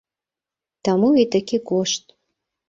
Таму і такі кошт.